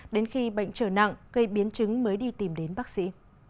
đến khi bệnh trở nặng cây biến chứng mới đi tìm đến bác sĩ